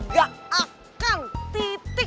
gak akan titik